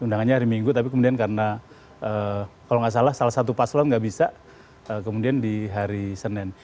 undangannya hari minggu tapi kemudian karena kalau nggak salah salah satu paslon nggak bisa kemudian di hari senin